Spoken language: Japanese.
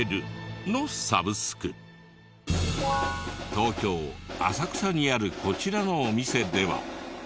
東京浅草にあるこちらのお店では。